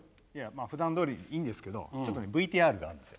あふだんどおりでいいんですけどちょっとＶＴＲがあるんですよ